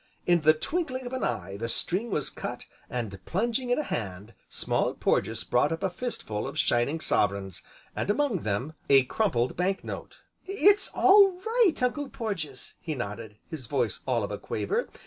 In the twinkling of an eye the string was cut, and plunging in a hand Small Porges brought up a fistful of shining sovereigns, and, among them, a crumpled banknote. "It's all right, Uncle Porges!" he nodded, his voice all of a quaver.